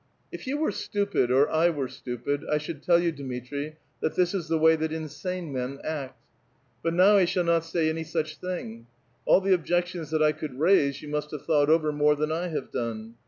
''If you were stupid or I were stupid, I should tell you, Dmitri, that this is the way that insane men act. But now F shall not say any such thing. All the objections that I could raise you must have thought over more than I have done.